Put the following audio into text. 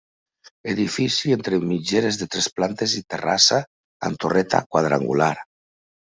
Edifici entre mitgeres de tres plantes i terrassa amb torreta quadrangular.